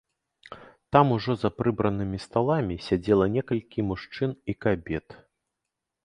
Там ужо за прыбранымі сталамі сядзела некалькі мужчын і кабет.